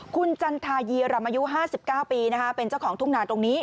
คุณจันทายีรำอายุ๕๙ปีเป็นเจ้าของทุ่งนาตรงนี้